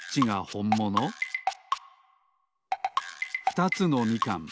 ふたつのみかん。